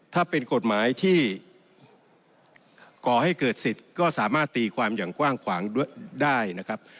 ถ้าเป็นกฎหมายที่ก่อให้เกิดสิทธิ์ก็สามารถตีความอย่างกว้างขวางด้วยได้นะครับ